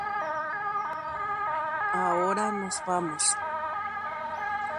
Ág̃akatu jahataha jahatantevoi.